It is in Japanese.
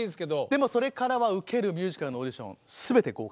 でもそれからは受けるミュージカルのオーディション全て合格。